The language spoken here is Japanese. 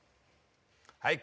「はい！」。